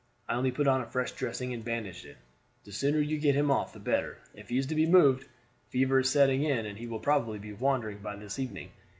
I only put on a fresh dressing and bandaged it. The sooner you get him off the better, if he is to be moved. Fever is setting in, and he will probably be wandering by this evening.